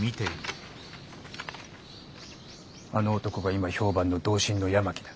あの男が今評判の同心の八巻だ。